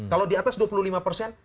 kalau di atas dua puluh lima persen